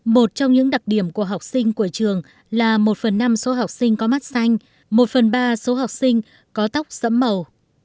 một trong những đặc điểm của học sinh của trường là một phần năm số học sinh có mắt xanh một phần ba số học sinh có tóc sẫm màu